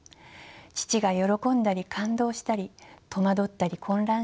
父が喜んだり感動したり戸惑ったり混乱したり。